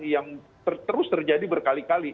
yang terus terjadi berkali kali